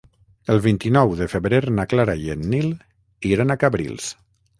El vint-i-nou de febrer na Clara i en Nil iran a Cabrils.